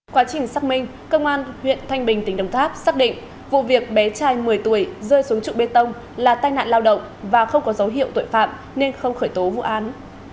quá trình xác minh công an huyện thanh bình tỉnh đồng tháp xác định vụ việc bé trai một mươi tuổi rơi xuống trụ bê tông là tai nạn lao động và không có dấu hiệu tội phạm nên không khởi tố vụ án